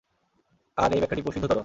আর এই ব্যাখ্যাটি প্রসিদ্ধতর।